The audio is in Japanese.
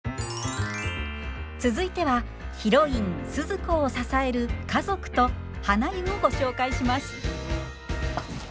続いてはヒロインスズ子を支える家族とはな湯をご紹介します。